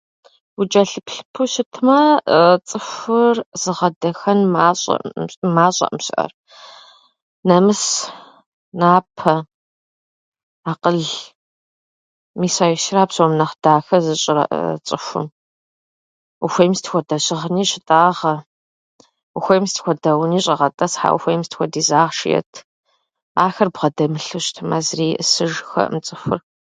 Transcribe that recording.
Учӏэлъыплъыпу щытмэ, цӏыхур зыгъэдахэн мащӏэӏым- мащӏэӏым щыӏэр: намыс, напэ, акъыл. Мис а щыра псом нэхъ дахэ зыщӏыр цӏыхум. Ухуейми, сыт хуэдэ щыгъыни щытӏагъэ, ухуейм, сыт хуэдэ уни щӏэгъэтӏысхьэ, ухуейм сыт хуэдиз ахъши ет. Ахэр бгъэдэмылъу щытмэ, зыри иӏысыжыххэӏым цӏыхур.